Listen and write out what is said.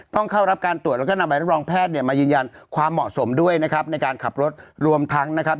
ต้องเข้ารับการตรวจแล้วก็นำใบรับรองแพทย์เนี่ยมายืนยันความเหมาะสมด้วยนะครับในการขับรถรวมทั้งนะครับ